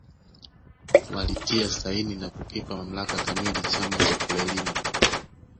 Walitia saini na kukipa mamlaka kamili chama cha Frelimo